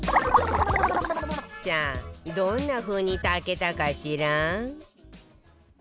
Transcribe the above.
さあどんな風に炊けたかしら？